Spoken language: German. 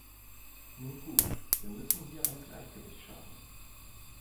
Nun gut, wir müssen hier ein Gleichgewicht schaffen.